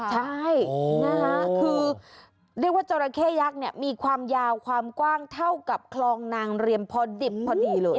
ใช่นะคะคือเรียกว่าจราเข้ยักษ์เนี่ยมีความยาวความกว้างเท่ากับคลองนางเรียมพอดิบพอดีเลย